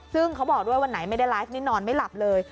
ซึ่งเขาบอกด้วยวันไหนไม่ได้ไลฟ์นี่นอนไม่หลับเลย